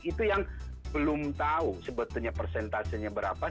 itu yang belum tahu sebetulnya persentasenya berapa